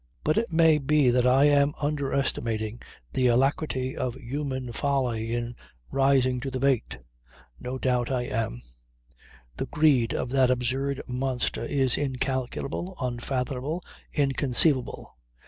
But it may be that I am underestimating the alacrity of human folly in rising to the bait. No doubt I am. The greed of that absurd monster is incalculable, unfathomable, inconceivable.